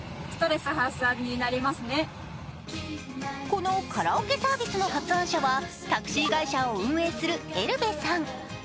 このカラオケサービスの発案者はタクシー会社を運営するエルヴェさん。